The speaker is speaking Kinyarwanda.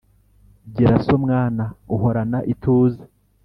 Gira so mwana uhorana ituze